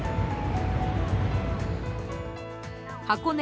箱根